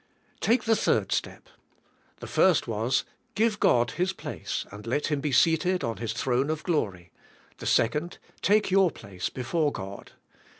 Take the third step. The first was: g ive God His place and let Him be seated on His throne of glory; the second: take your place before God.